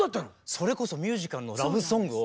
それこそミュージカルのラブソングを。